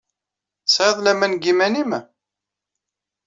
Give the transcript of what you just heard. Tesɛid laman deg yiman-nnem?